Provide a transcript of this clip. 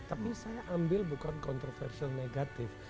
tapi saya ambil bukan kontroversial negatif